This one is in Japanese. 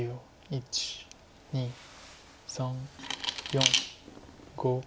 １２３４５。